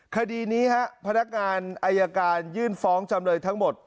คดีนี้ฮะพนักงานอายการยื่นฟ้องจำเลยทั้งหมด